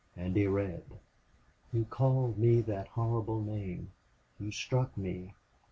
And he read: You called me that horrible name. You struck me.